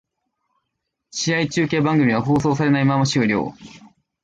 試合中継番組は放送されないまま終了